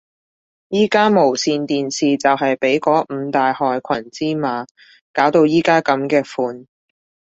而家無線電視就係被嗰五大害群之馬搞到而家噉嘅款